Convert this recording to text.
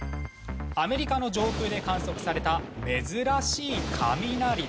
アメリカの上空で観測された珍しい雷。